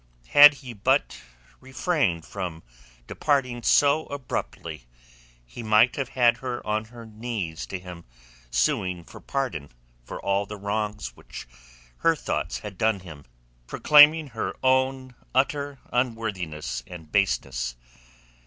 Had he but refrained from departing so abruptly he might have had her on her knees to him suing for pardon for all the wrongs which her thoughts had done him, proclaiming her own utter unworthiness and baseness.